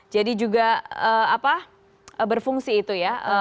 jadi juga berfungsi itu ya